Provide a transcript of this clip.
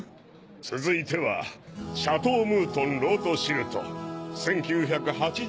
続いてはシャトー・ムートン・ロートシルト１９８２年です。